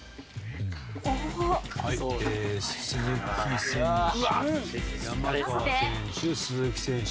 えー鈴木選手山川選手鈴木選手